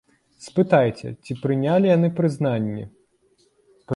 Спытайце, ці прынялі яны прызнанне?